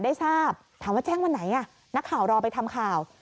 ได้ทราบถามว่าแจ้งวันไหนนักข่าวรอไปทำข่าว